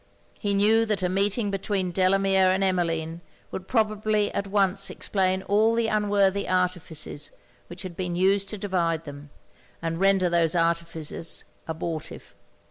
He knew that a meeting between Delamere and Emmeline would probably at once explain all the unworthy artifices which had been used to divide them, and render those artifices abortive.